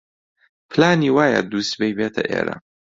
پلانی وایە دووسبەی بێتە ئێرە.